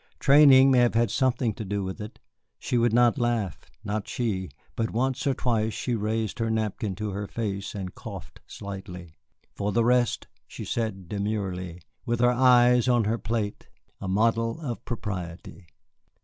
Training may have had something to do with it. She would not laugh, not she, but once or twice she raised her napkin to her face and coughed slightly. For the rest, she sat demurely, with her eyes on her plate, a model of propriety.